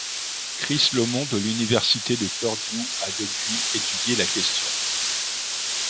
Chris Lomont de l'université de Purdue a depuis étudié la question.